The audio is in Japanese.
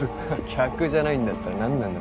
客じゃないんだったら何なんだ？